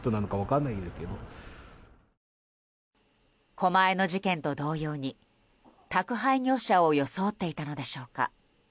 狛江の事件と同様に宅配業者を装っていたのでしょうか。